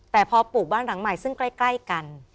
แต่พอปลูกบ้านหลังใหม่ซึ่งใกล้กัน